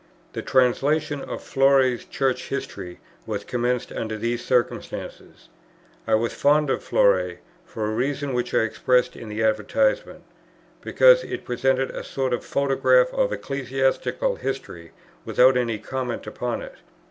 The Translation of Fleury's Church History was commenced under these circumstances: I was fond of Fleury for a reason which I express in the Advertisement; because it presented a sort of photograph of ecclesiastical history without any comment upon it.